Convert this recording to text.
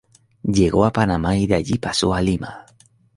Llegó a Panamá y de allí pasó a Lima.